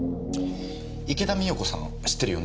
池田美代子さん知ってるよね？